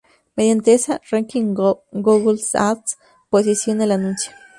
Mediante este ranking Google Ads posiciona el anuncio.